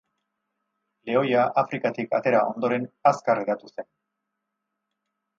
Lehoia, Afrikatik atera ondoren, azkar hedatu zen.